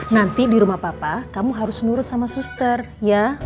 nanti di rumah papa kamu harus nurut sama suster ya